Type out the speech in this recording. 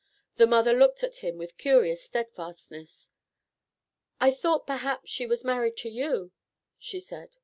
The mother looked at him with curious steadfastness. "I thought perhaps she was married to you," she said.